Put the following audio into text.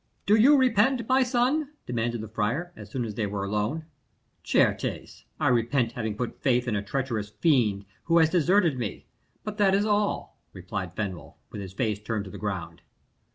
"Do you repent, my son?" demanded the friar, as soon as they were alone. "Certes, I repent having put faith in a treacherous fiend, who has deserted me but that is all," replied Fenwolf, with his face turned to the ground.